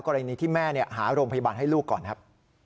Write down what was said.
กรณีที่แม่หาโรงพยาบาลให้ลูกก่อนครับ